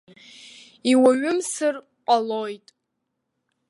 Иуаҩымсыр ҟалоит.